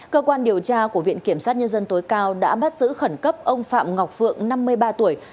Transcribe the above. cơ quan điều tra của viện kiểm sát nhân dân tối cao đã bắt giữ khẩn cấp ông phạm ngọc phượng năm mươi ba tuổi